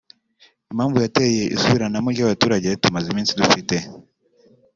Impamvu yateye isubiranamo ry’abaturage tumaze iminsi dufite